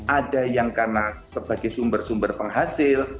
ada yang karena sebagai sumber sumber penghasil